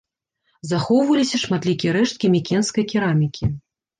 Захоўваліся шматлікія рэшткі мікенскай керамікі.